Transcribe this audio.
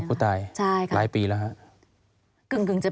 ผู้ตายหลายปีแล้วครับ